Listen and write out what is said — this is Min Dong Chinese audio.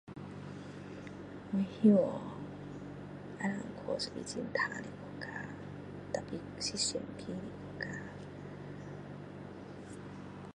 我希望能够去一个很干净的国家 tapi 是上气的国家